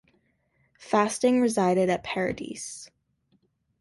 Fasting resided at Paradis.